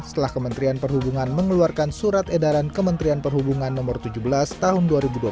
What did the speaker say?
setelah kementerian perhubungan mengeluarkan surat edaran kementerian perhubungan no tujuh belas tahun dua ribu dua puluh